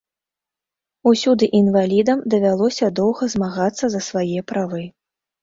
Усюды інвалідам давялося доўга змагацца за свае правы.